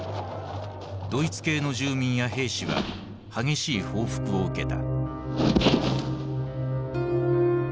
ドイツ系の住民や兵士は激しい報復を受けた。